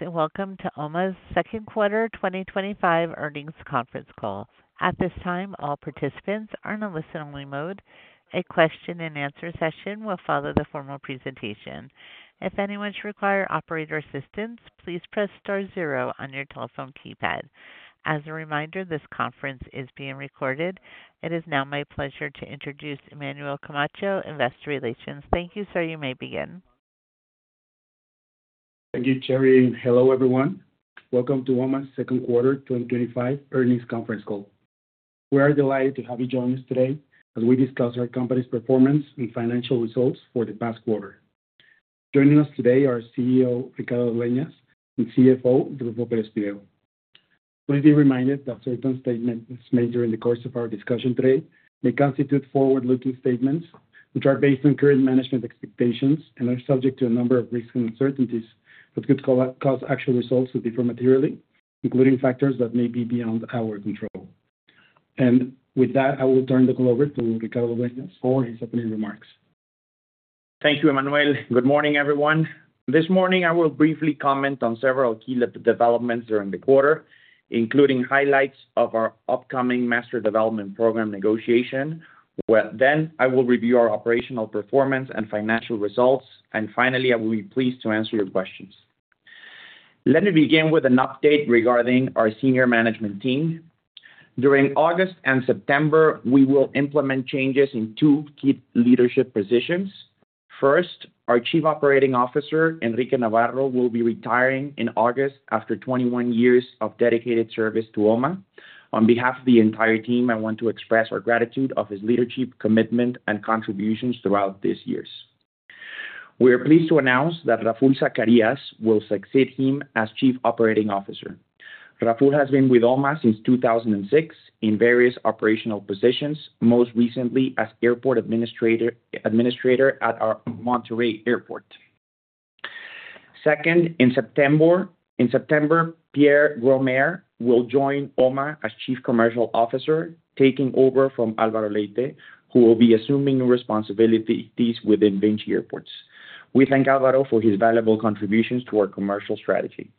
Welcome to OMA's Second Quarter 2025 Earnings Conference Call. At this time, all participants are in a listen-only mode. A question and answer session will follow the formal presentation. If anyone should require operator assistance, please press star zero on your telephone keypad. As a reminder, this conference is being recorded. It is now my pleasure to introduce Emmanuel Camacho, Investor Relations. Thank you, sir. You may begin. Thank you, Cherry, and hello, everyone. Welcome to OMA's Second Quarter 2025 Earnings Conference Call. We are delighted to have you join us today as we discuss our company's performance and financial results for the past quarter. Joining us today are CEO Ricardo Dueñas and CFO Ruffo Pérez Pliego. Please be reminded that certain statements made during the course of our discussion today may constitute forward-looking statements, which are based on current management expectations and are subject to a number of risks and uncertainties that could cause actual results to differ materially, including factors that may be beyond our control. With that, I will turn the call over to Ricardo Dueñas for his opening remarks. Thank you, Emmanuel. Good morning, everyone. This morning, I will briefly comment on several key developments during the quarter, including highlights of our upcoming Master Development Program negotiation. I will review our operational performance and financial results. Finally, I will be pleased to answer your questions. Let me begin with an update regarding our senior management team. During August and September, we will implement changes in two key leadership positions. First, our Chief Operating Officer, Enrique Navarro, will be retiring in August after 21 years of dedicated service to OMA. On behalf of the entire team, I want to express our gratitude for his leadership, commitment, and contributions throughout this year. We are pleased to announce that Rafael Zacarias will succeed him as Chief Operating Officer. Raful has been with OMA since 2006 in various operational positions, most recently as Airport Administrator at our Monterrey Airport. Second, in September, Pierre Gromaire will join OMA as Chief Commercial Officer, taking over from Álvaro Leite, who will be assuming new responsibilities within Vinci Airports. We thank Álvaro for his valuable contributions to our commercial strategy.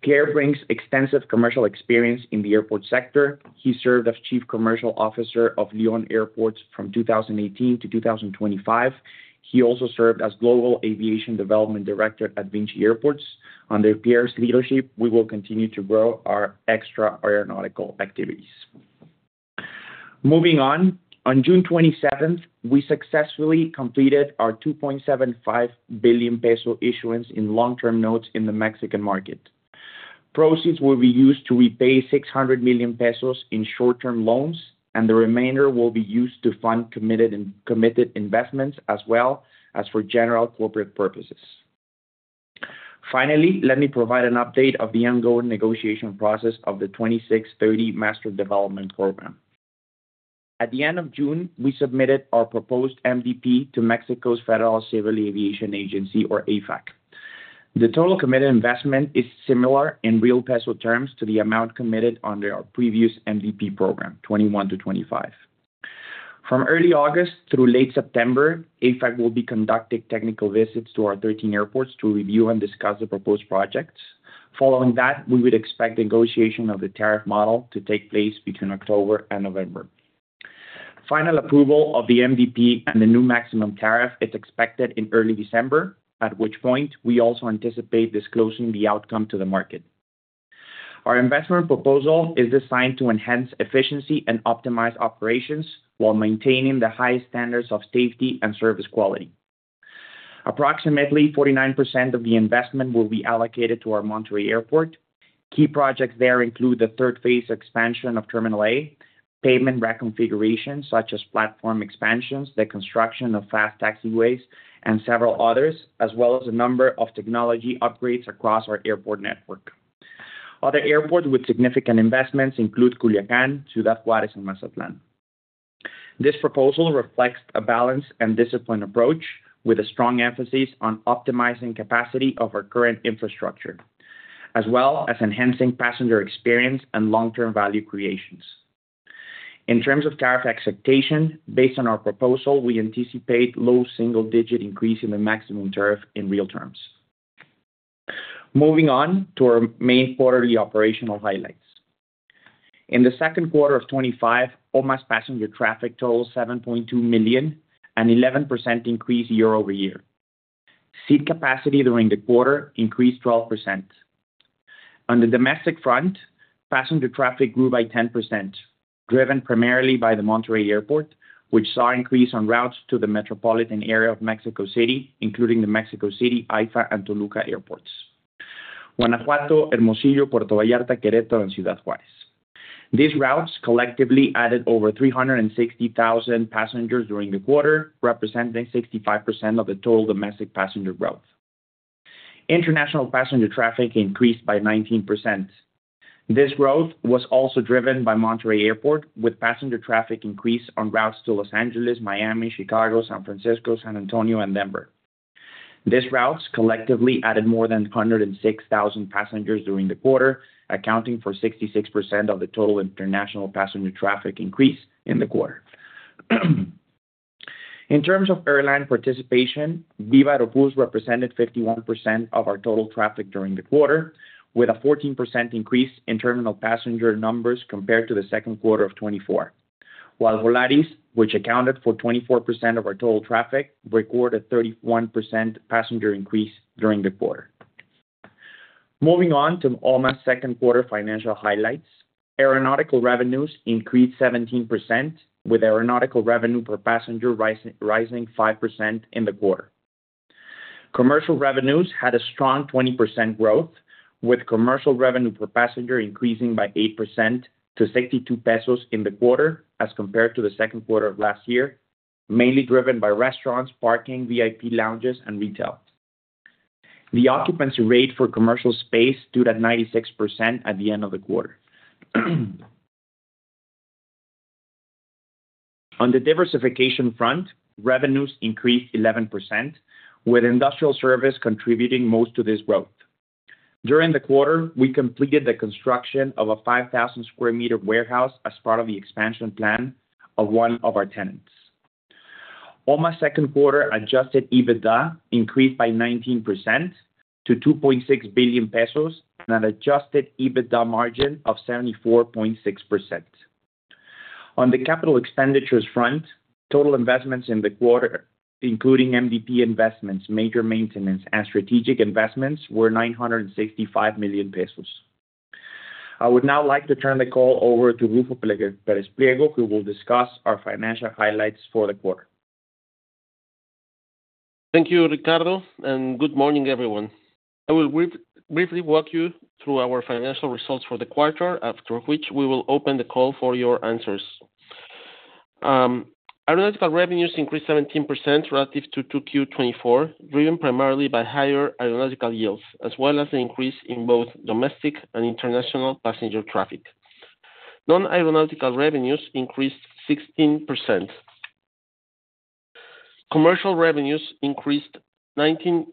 Pierre brings extensive commercial experience in the airport sector. He served as Chief Commercial Officer of Lyon Airports from 2018 to 2025. He also served as Global Aviation Development Director at Vinci Airports. Under Pierre's leadership, we will continue to grow our extra aeronautical activities. Moving on, on June 27, we successfully completed our $2.75 billion-peso issuance in long-term notes in the Mexican market. Proceeds will be used to repay $600 million pesos in short-term loans, and the remainder will be used to fund committed investments, as well as for general corporate purposes. Finally, let me provide an update of the ongoing negotiation process of the 2026-2030 Master Development Program. At the end of June, we submitted our proposed MDP to Mexico's Federal Civil Aviation Agency, or AFAC. The total committed investment is similar in real peso terms to the amount committed under our previous MDP program, 2021 to 2025. From early August through late September, AFAC will be conducting technical visits to our 13 airports to review and discuss the proposed projects. Following that, we would expect negotiation of the tariff model to take place between October and November. Final approval of the Master Development Program and the new maximum tariff is expected in early December, at which point we also anticipate disclosing the outcome to the market. Our investment proposal is designed to enhance efficiency and optimize operations while maintaining the highest standards of safety and service quality. Approximately 49% of the investment will be allocated to our Monterrey Airport. Key projects there include the third phase expansion of Terminal A, pavement reconfigurations such as platform expansions, the construction of fast taxiways, and several others, as well as a number of technology upgrades across our airport network. Other airports with significant investments include Culiacán, Ciudad Juárez, and Mazatlán. This proposal reflects a balanced and disciplined approach with a strong emphasis on optimizing the capacity of our current infrastructure, as well as enhancing passenger experience and long-term value creation. In terms of tariff expectation, based on our proposal, we anticipate a low single-digit increase in the maximum tariff in real terms. Moving on to our main quarterly operational highlights. In the second quarter of 2025, Grupo Aeroportuario del Centro Norte's passenger traffic totaled 7.2 million, an 11% increase year over year. Seat capacity during the quarter increased 12%. On the domestic front, passenger traffic grew by 10%, driven primarily by the Monterrey Airport, which saw an increase on routes to the metropolitan area of Mexico City, including the Mexico City, IFA, and Toluca airports, Guanajuato, Hermosillo, Puerto Vallarta, Querétaro, and Ciudad Juárez. These routes collectively added over 360,000 passengers during the quarter, representing 65% of the total domestic passenger growth. International passenger traffic increased by 19%. This growth was also driven by Monterrey Airport, with passenger traffic increase on routes to Los Angeles, Miami, Chicago, San Francisco, San Antonio, and Denver. These routes collectively added more than 106,000 passengers during the quarter, accounting for 66% of the total international passenger traffic increase in the quarter. In terms of airline participation, VivaAerobus represented 51% of our total traffic during the quarter, with a 14% increase in terminal passenger numbers compared to the second quarter of 2024. Volaris, which accounted for 24% of our total traffic, recorded a 31% passenger increase during the quarter. Moving on to OMA's second quarter financial highlights, aeronautical revenues increased 17%, with aeronautical revenue per passenger rising 5% in the quarter. Commercial revenues had a strong 20% growth, with commercial revenue per passenger increasing by 8% to $62 in the quarter as compared to the second quarter of last year, mainly driven by restaurants, parking, VIP lounges, and retail. The occupancy rate for commercial space stood at 96% at the end of the quarter. On the diversification front, revenues increased 11%, with industrial services contributing most to this growth. During the quarter, we completed the construction of a 5,000 square meter warehouse as part of the expansion plan of one of our tenants. OMA's second quarter adjusted EBITDA increased by 19% to $2.6 billion and an adjusted EBITDA margin of 74.6%. On the capital expenditures front, total investments in the quarter, including MDP investments, major maintenance, and strategic investments, were $965 million. I would now like to turn the call over to Ruffo Pérez Pliego, who will discuss our financial highlights for the quarter. Thank you, Ricardo, and good morning, everyone. I will briefly walk you through our financial results for the quarter, after which we will open the call for your answers. Aeronautical revenues increased 17% relative to Q2 2024, driven primarily by higher aeronautical yields, as well as an increase in both domestic and international passenger traffic. Non-aeronautical revenues increased 16%. Commercial revenues increased 19.7%.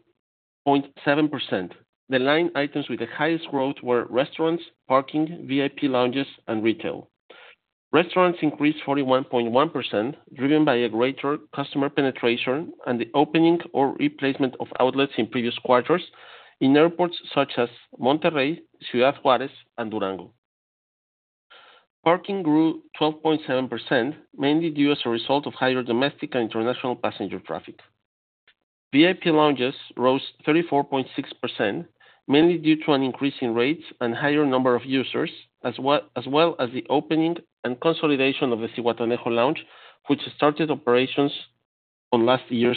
The line items with the highest growth were restaurants, parking, VIP lounges, and retail. Restaurants increased 41.1%, driven by greater customer penetration and the opening or replacement of outlets in previous quarters in airports such as Monterrey, Ciudad Juárez, and Durango. Parking grew 12.7%, mainly due to a result of higher domestic and international passenger traffic. VIP lounges rose 34.6%, mainly due to an increase in rates and a higher number of users, as well as the opening and consolidation of the Zihuatanejo Lounge, which started operations in July of last year.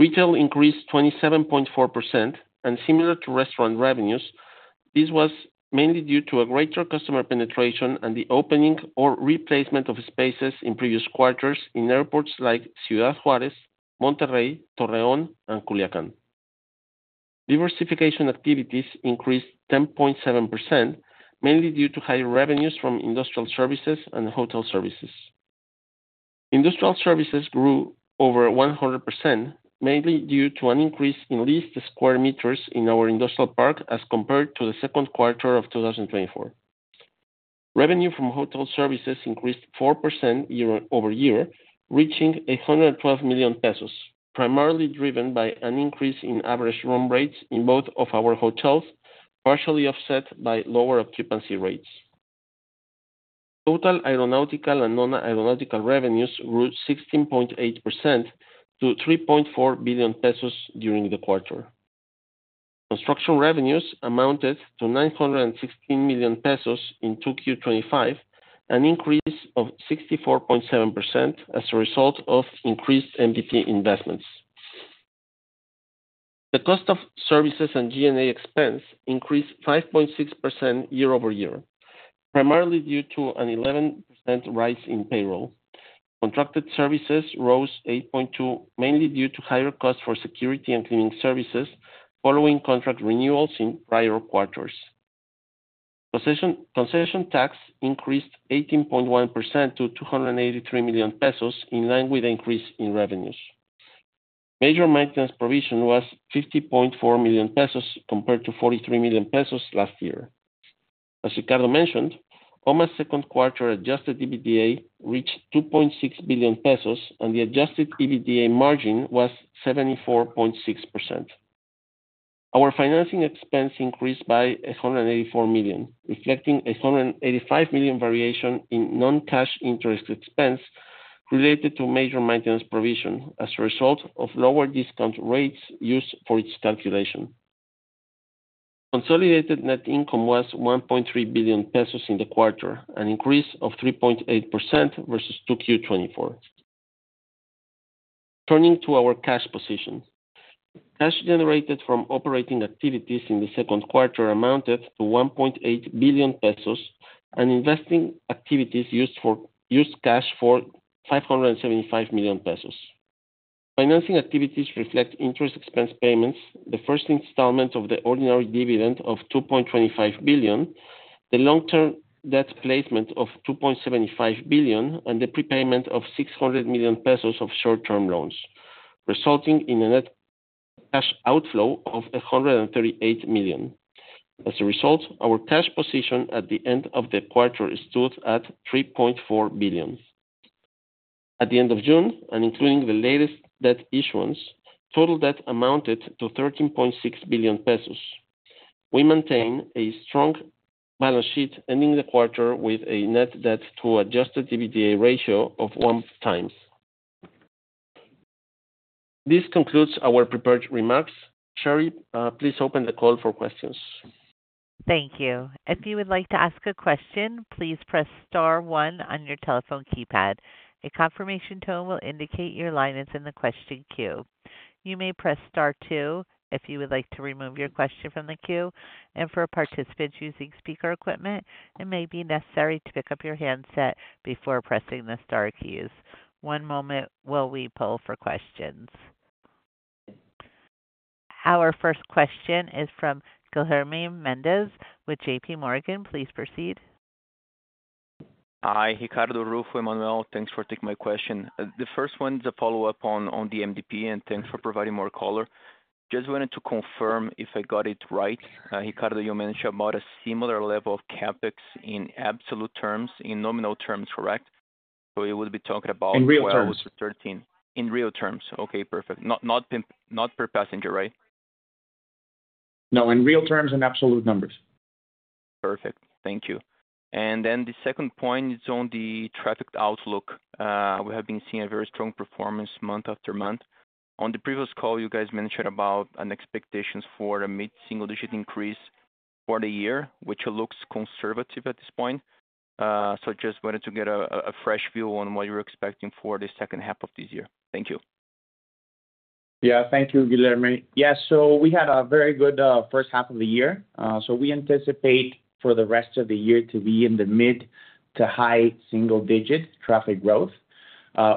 Retail increased 27.4%, and similar to restaurant revenues, this was mainly due to greater customer penetration and the opening or replacement of spaces in previous quarters in airports like Ciudad Juárez, Monterrey, Torreón, and Culiacán. Diversification activities increased 10.7%, mainly due to high revenues from industrial services and hotel services. Industrial services grew over 100%, mainly due to an increase in leased square meters in our industrial park as compared to the second quarter of 2024. Revenue from hotel services increased 4% year over year, reaching $112 million pesos, primarily driven by an increase in average room rates in both of our hotels, partially offset by lower occupancy rates. Total aeronautical and non-aeronautical revenues grew 16.8% to $3.4 billion pesos during the quarter. Construction revenues amounted to $916 million pesos in Q2 2025, an increase of 64.7% as a result of increased Master Development Program investments. The cost of services and G&A expense increased 5.6% year over year, primarily due to an 11% rise in payroll. Contracted services rose 8.2%, mainly due to higher costs for security and cleaning services following contract renewals in prior quarters. Concession tax increased 18.1% to $283 million pesos, in line with the increase in revenues. Major maintenance provision was $50.4 million pesos compared to $43 million pesos last year. As Ricardo mentioned, OMA's second quarter adjusted EBITDA reached $2.6 billion pesos, and the adjusted EBITDA margin was 74.6%. Our financing expense increased by $184 million, reflecting a $185 million variation in non-cash interest expense related to major maintenance provision as a result of lower discount rates used for its calculation. Consolidated net income was $1.3 billion pesos in the quarter, an increase of 3.8% versus Q2 2024. Turning to our cash position, cash generated from operating activities in the second quarter amounted to $1.8 billion pesos, and investing activities used cash for $575 million pesos. Financing activities reflect interest expense payments, the first installment of the ordinary dividend of $2.25 billion, the long-term debt placement of $2.75 billion, and the prepayment of $600 million pesos of short-term loans, resulting in a net cash outflow of $138 million. As a result, our cash position at the end of the quarter stood at $3.4 billion. At the end of June, and including the latest debt issuance, total debt amounted to $13.6 billion pesos. We maintain a strong balance sheet, ending the quarter with a net debt to adjusted EBITDA ratio of one times. This concludes our prepared remarks. Cherry, please open the call for questions. Thank you. If you would like to ask a question, please press star one on your telephone keypad. A confirmation tone will indicate your line is in the question queue. You may press star two if you would like to remove your question from the queue. For participants using speaker equipment, it may be necessary to pick up your handset before pressing the star queues. One moment while we poll for questions. Our first question is from Guilherme Mendes with J.P. Morgan. Please proceed. Hi, Ricardo, Ruffo, Emmanuel, thanks for taking my question. The first one is a follow-up on the MDP, and thanks for providing more color. Just wanted to confirm if I got it right. Ricardo, you mentioned about a similar level of CapEx in absolute terms, in nominal terms, correct? We would be talking about. In real terms. In real terms. Okay, perfect. Not per passenger, right? No, in real terms and absolute numbers. Perfect. Thank you. The second point is on the traffic outlook. We have been seeing a very strong performance month after month. On the previous call, you guys mentioned an expectation for a mid-single-digit increase for the year, which looks conservative at this point. I just wanted to get a fresh view on what you're expecting for the second half of this year. Thank you. Thank you, Guilherme. We had a very good first half of the year. We anticipate for the rest of the year to be in the mid to high single-digit traffic growth.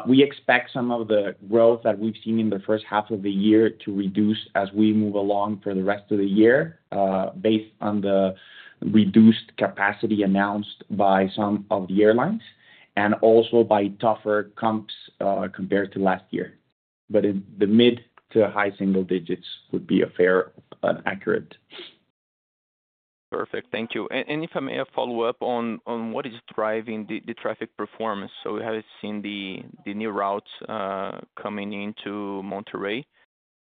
We expect some of the growth that we've seen in the first half of the year to reduce as we move along for the rest of the year, based on the reduced capacity announced by some of the airlines and also by tougher comps compared to last year. The mid to high single digits would be fair and accurate. Perfect. Thank you. If I may follow up on what is driving the traffic performance, we have seen the new routes coming into Monterrey,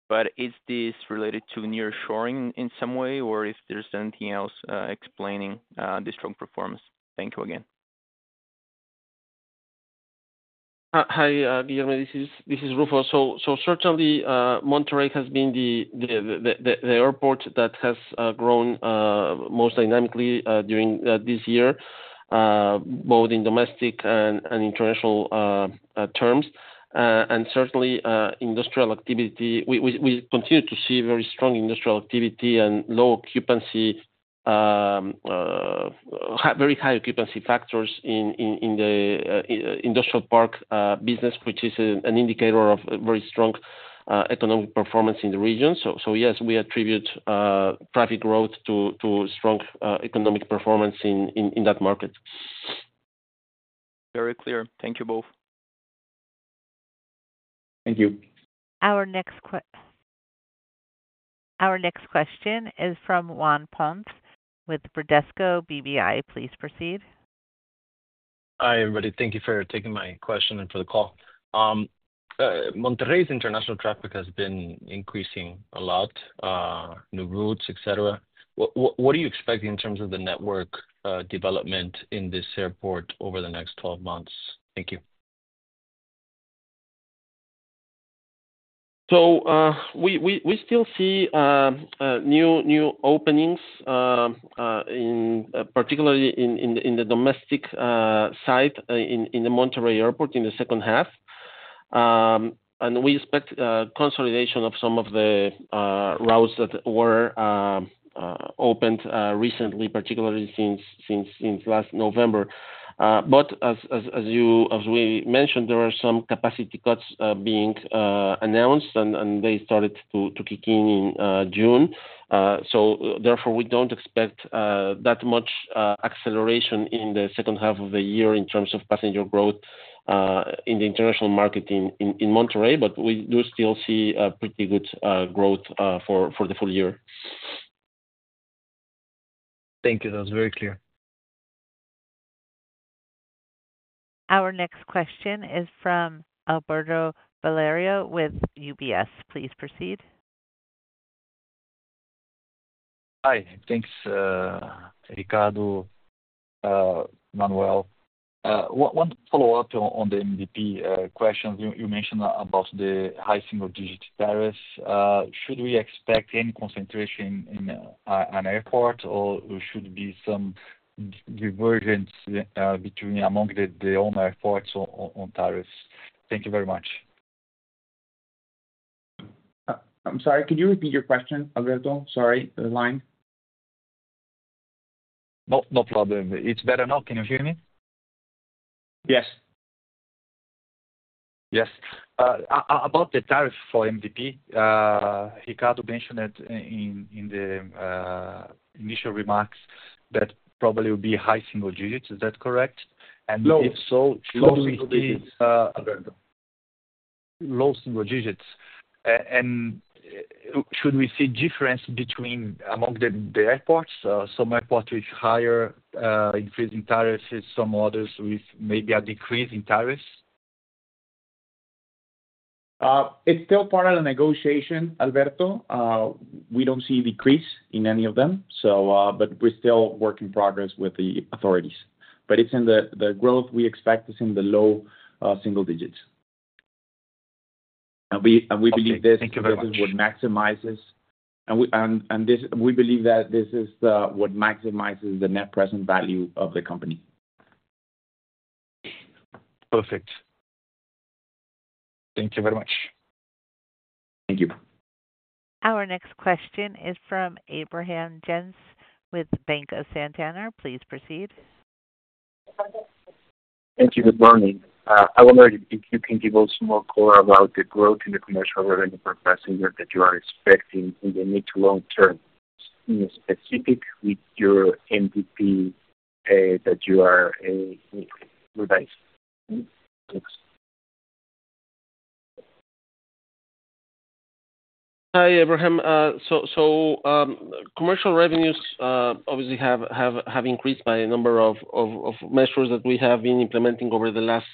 but is this related to nearshoring in some way, or if there's anything else explaining the strong performance? Thank you again. Hi, Guilherme. This is Ruffo. Monterrey has been the airport that has grown most dynamically during this year, both in domestic and international terms. Industrial activity, we continue to see very strong industrial activity and very high occupancy factors in the industrial park business, which is an indicator of very strong economic performance in the region. Yes, we attribute traffic growth to strong economic performance in that market. Very clear. Thank you both. Thank you. Our next question is from Juan Ponce with Bradesco BBI. Please proceed. Hi, everybody. Thank you for taking my question and for the call. Monterrey's international traffic has been increasing a lot, new routes, etc. What are you expecting in terms of the network development in this airport over the next 12 months? Thank you. We still see new openings, particularly in the domestic side in the Monterrey Airport in the second half. We expect consolidation of some of the routes that were opened recently, particularly since last November. As we mentioned, there are some capacity cuts being announced, and they started to kick in in June. Therefore, we don't expect that much acceleration in the second half of the year in terms of passenger growth in the international market in Monterrey, but we do still see a pretty good growth for the full year. Thank you. That was very clear. Our next question is from Alberto Valerio with UBS. Please proceed. Hi. Thanks, Ricardo, Emmanuel. One follow-up on the MDP questions. You mentioned about the high single-digit tariffs. Should we expect any concentration in an airport, or should there be some divergence among the OMA airports on tariffs? Thank you very much. I'm sorry. Could you repeat your question, Alberto? Sorry, the line. No problem. It's better now. Can you hear me? Yes. Yes. About the tariff for the Master Development Program, Ricardo mentioned it in the initial remarks that probably it would be high single digits. Is that correct? Low single digits. Should we see a difference among the airports? Some airports with higher increase in tariffs, some others with maybe a decrease in tariffs. It's still part of the negotiation, Alberto. We don't see a decrease in any of them, we're still a work in progress with the authorities. The growth we expect is in the low single digits, and we believe this growth is what maximizes the net present value of the company. Perfect. Thank you very much. Thank you. Our next question is from Ebrahim Suarez with Banco Santander. Please proceed. Thank you, good morning. I wonder if you can give us more color about the growth in the commercial revenue per passenger that you are expecting in the mid to long term, specifically with your Master Development Program that you are revising. Hi, Ebrahim. Commercial revenues obviously have increased by a number of measures that we have been implementing over the last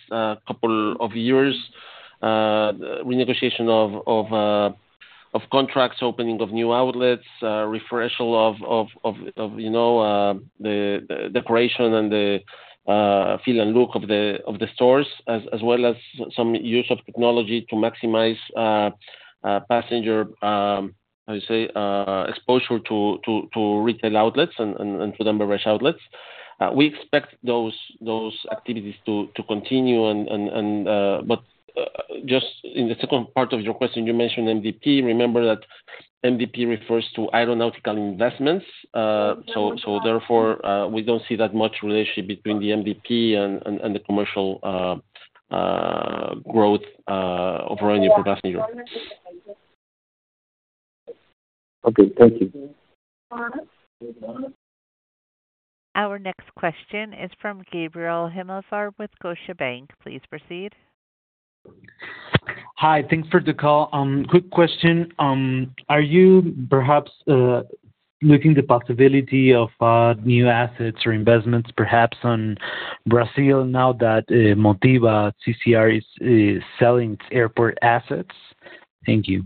couple of years: renegotiation of contracts, opening of new outlets, refresher of the decoration and the feel and look of the stores, as well as some use of technology to maximize passenger, how do you say, exposure to retail outlets and to the member-based outlets. We expect those activities to continue. In the second part of your question, you mentioned the Master Development Program. Remember that the Master Development Program refers to aeronautical investments. Therefore, we don't see that much relationship between the Master Development Program and the commercial growth of revenue per passenger. Okay, thank you. Our next question is from Gabriel Himelfarb with Scotiabank. Please proceed. Hi. Thanks for the call. Quick question. Are you perhaps looking at the possibility of new assets or investments perhaps in Brazil now that Motiva CCR is selling airport assets? Thank you.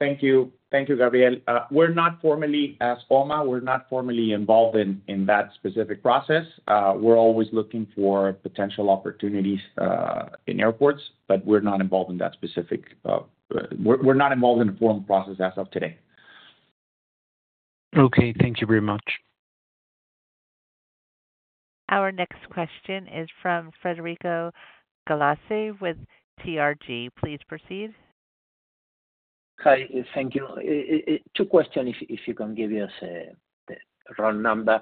Thank you. Thank you, Gabriel. As OMA, we're not formally involved in that specific process. We're always looking for potential opportunities in airports, but we're not involved in the formal process as of today. Okay, thank you very much. Our next question is from Frederico Galassi with TRG. Please proceed. Hi. Thank you. Two questions, if you can give us a round number.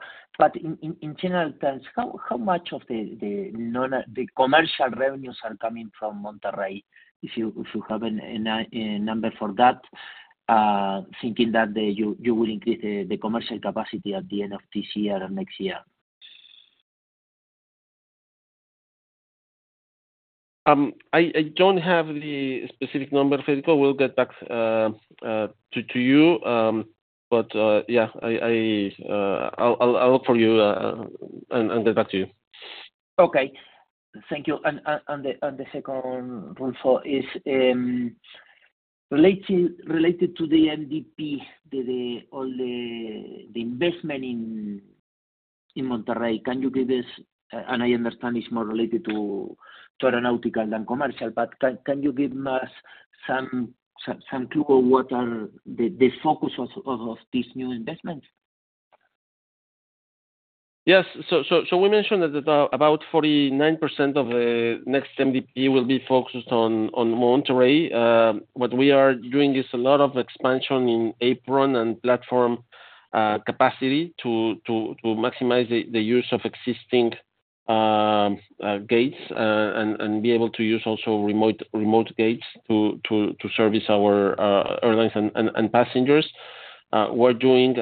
In general terms, how much of the commercial revenues are coming from Monterrey? If you have a number for that, thinking that you will increase the commercial capacity at the end of this year or next year? I don't have the specific number, Frederico. We'll get back to you. I'll look for you and get back to you. Thank you. The second, Ruffo, is related to the MDP, the investment in Monterrey. Can you give us, and I understand it's more related to aeronautical than commercial, but can you give us some clue of what are the focus of these new investments? Yes. We mentioned that about 49% of the next Master Development Program will be focused on Monterrey. What we are doing is a lot of expansion in apron and platform capacity to maximize the use of existing gates and be able to use also remote gates to service our airlines and passengers. We're doing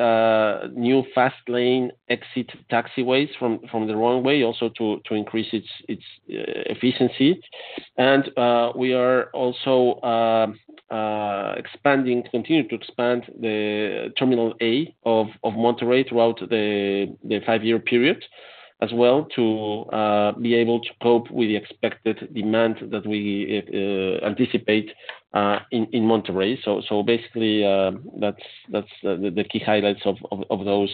new fast lane exit taxiways from the runway also to increase its efficiency. We are also expanding, continue to expand the Terminal A of Monterrey throughout the five-year period as well to be able to cope with the expected demand that we anticipate in Monterrey. Basically, that's the key highlights of those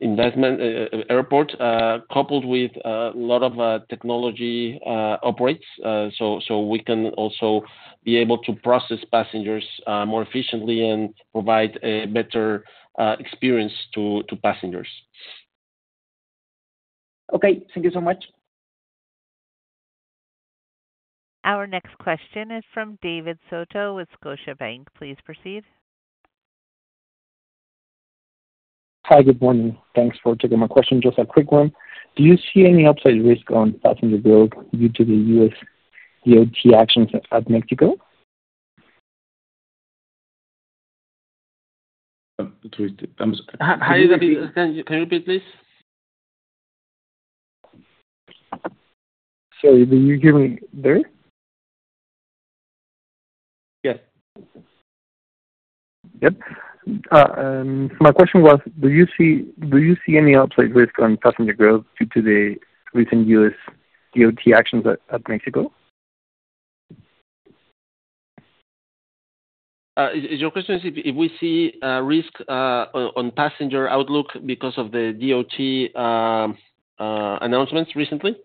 investments. Airport coupled with a lot of technology upgrades, so we can also be able to process passengers more efficiently and provide a better experience to passengers. Okay, thank you so much. Our next question is from David Soto with Scotiabank. Please proceed. Hi. Good morning. Thanks for taking my question. Just a quick one. Do you see any upside risk on passenger growth due to the U.S. DOT actions at Mexico? Can you repeat, please? Sorry, do you hear me there? Yes. Yep. My question was, do you see any upside risk on passenger growth due to the recent U.S. DOT actions at Mexico? Is your question if we see a risk on passenger outlook because of the DOT announcements recently?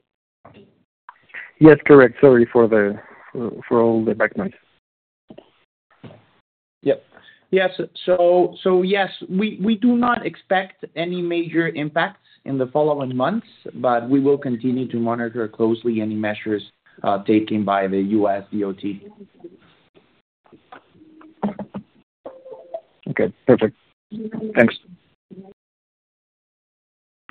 Yes, correct. Sorry for all the background noise. Yes, we do not expect any major impacts in the following months, but we will continue to monitor closely any measures taken by the U.S. DOT. Okay. Perfect. Thanks.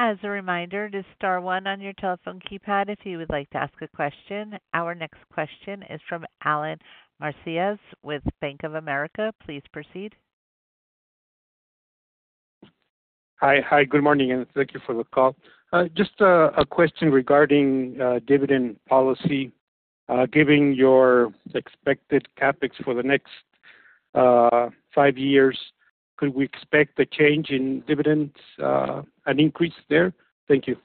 As a reminder, just star one on your telephone keypad if you would like to ask a question. Our next question is from Alan Macías with Bank of America. Please proceed. Good morning, and thank you for the call. Just a question regarding dividend policy. Given your expected CapEx for the next five years, could we expect a change in dividends and increase there? Thank you.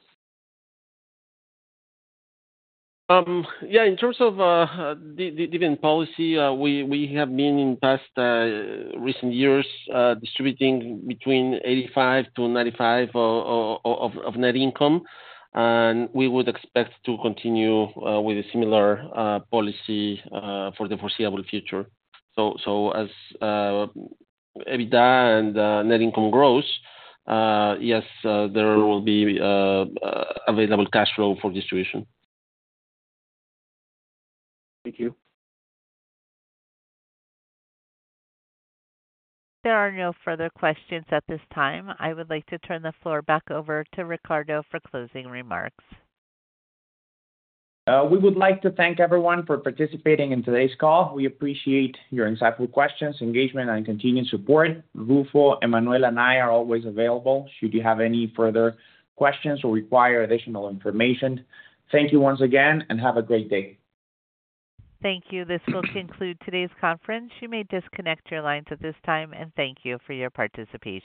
Yeah. In terms of the dividend policy, we have been in the past recent years distributing between 85% to 95% of net income, and we would expect to continue with a similar policy for the foreseeable future. As EBITDA and net income grows, yes, there will be available cash flow for distribution. Thank you. There are no further questions at this time. I would like to turn the floor back over to Ricardo for closing remarks. We would like to thank everyone for participating in today's call. We appreciate your insightful questions, engagement, and continued support. Ruffo, Emmanuel, and I are always available should you have any further questions or require additional information. Thank you once again, and have a great day. Thank you. This will conclude today's conference. You may disconnect your lines at this time, and thank you for your participation.